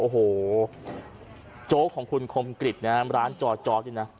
โอ้โหโจ๊กของคุณคมกริดร้านจอดีนะ